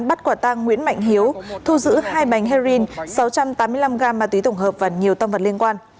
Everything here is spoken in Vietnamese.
bắt quả tang nguyễn mạnh hiếu thu giữ hai bánh heroin sáu trăm tám mươi năm gam ma túy tổng hợp và nhiều tâm vật liên quan